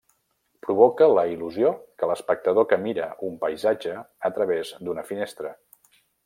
Provoca la il·lusió que l'espectador que mira un paisatge a través d'una finestra.